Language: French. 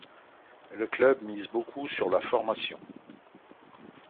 Le club mise beaucoup sur la formation.